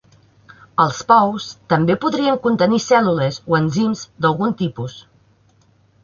Els pous també podrien contenir cèl·lules o enzims d'algun tipus.